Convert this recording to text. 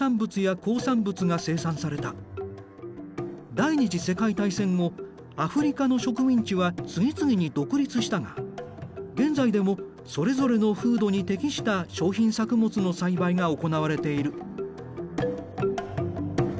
第２次世界大戦後アフリカの植民地は次々に独立したが現在でもそれぞれの風土に適した商品作物の栽培が行われている。